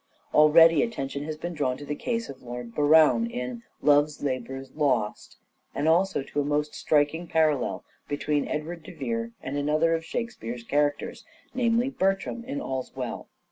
Already attention hai been drawn to the case of Lord Berowne DRAMATIC SELF REVELATION 459 in " Love's Labour's Lost," and also to a most strik ing parallel between Edward de Vere and another of Shakespeare's characters, namely Bertram in " All's Well."